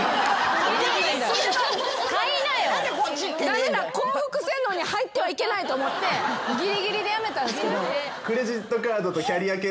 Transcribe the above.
駄目だ幸福洗脳に入ってはいけないと思ってギリギリでやめたんですけど。